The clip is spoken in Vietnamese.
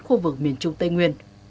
khu vực miền trung tây nguyên